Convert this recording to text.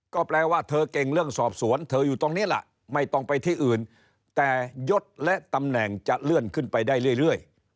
ก็แปลว่าเธอเก่งเรื่องสอบสวนเธออยู่ตรงนี้ล่ะไม่ต้องไปที่อื่นแต่ยศและตำแหน่งจะเลื่อนขึ้นไปได้เรื่อย